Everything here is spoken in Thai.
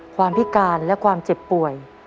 พิการและความเจ็บป่วย